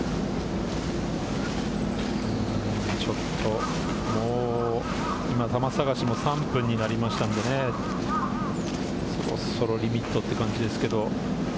ちょっと今、球探しも３分になりましたので、そろそろリミットという感じですけれど。